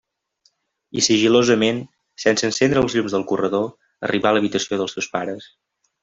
I sigil·losament, sense encendre els llums del corredor, arribà a l'habitació dels seus pares.